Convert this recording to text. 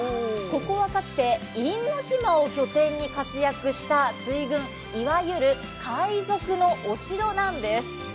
ここはかつて因島を拠点に活躍した水軍、いわゆる海賊のお城なんです。